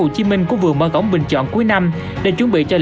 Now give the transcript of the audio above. thì mình lượm một mình bình